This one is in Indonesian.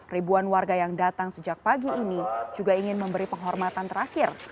ribuan warga yang datang sejak pagi ini juga ingin memberi penghormatan terakhir